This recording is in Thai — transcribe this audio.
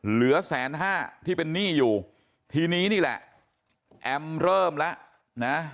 เหลือแสนห้าที่เป็นหนี้อยู่ทีนี้นี่แหละแอมเริ่มแล้วนะ